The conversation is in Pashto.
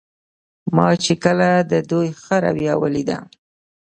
ما چې کله د دوی ښه رویه ولیدله.